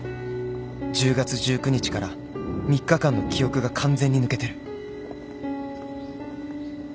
１０月１９日から３日間の記憶が完全に抜けてる